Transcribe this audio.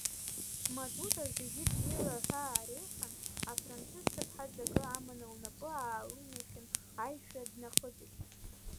Матута зегьы бзиала ҳәа аареиҳәан, афранцыз ҭыԥҳа ҵакы аманы лнапы аалымихын, аишәа днахыҵит.